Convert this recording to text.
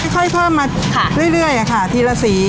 ค่อยเพิ่มมาเรื่อยค่ะทีละสี